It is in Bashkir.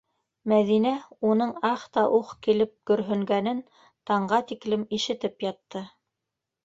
Мәҙинә уның ах та ух килеп көрһөнгәнен таңға тиклем ишетеп ятты...